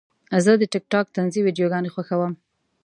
زه د ټک ټاک طنزي ویډیوګانې خوښوم.